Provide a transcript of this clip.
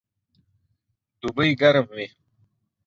دوبئ ګرم وي